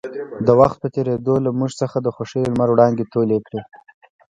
د وخـت پـه تېـرېدو لـه مـوږ څـخـه د خـوښـيو لمـر وړانـګې تـولې کـړې.